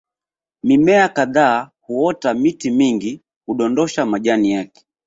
Mimea kadhaa huota miti mingi hudondosha majani yake